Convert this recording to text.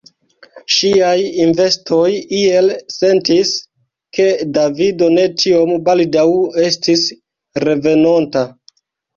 Ŝiaj intestoj iel sentis, ke Davido ne tiom baldaŭ estis revenonta.